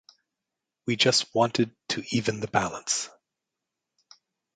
We just wanted to even the balance.